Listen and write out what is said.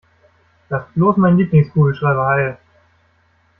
Lass bloß meinen Lieblingskugelschreiber heil!